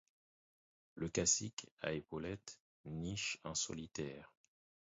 Le Cassique à épaulettes niche en solitaire.